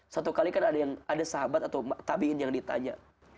satu kali kan ada sahabat atau tabiin yang ditanya